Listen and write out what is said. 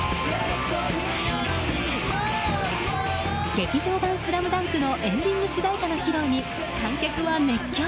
劇場版「ＳＬＡＭＤＵＮＫ」のエンディング主題歌の披露に観客は熱狂。